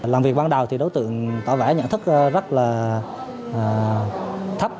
làm việc ban đầu thì đối tượng tỏ vẻ nhận thức rất là thấp